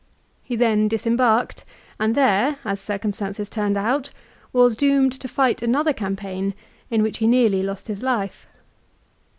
He then disembarked, and there, as circumstances turned out, was doomed to fight another campaign in which he nearly lost his life.